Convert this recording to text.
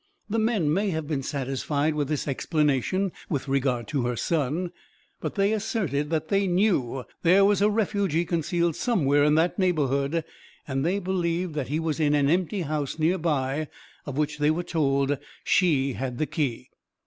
The men may have been satisfied with this explanation with regard to her son; but they asserted that they knew that there was a refugee concealed somewhere in that neighborhood, and they believed that he was in an empty house near by, of which they were told she had the key.